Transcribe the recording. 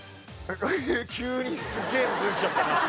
急にすげえの出てきちゃったな。